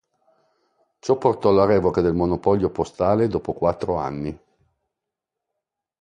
Ciò portò alla revoca del monopolio postale dopo quattro anni.